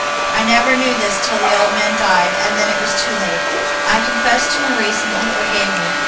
I never knew this till the old man died, and then it was too late. I confessed to Maurice, and he forgave me.